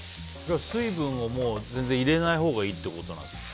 水分を全然入れないほうがいいってことですか？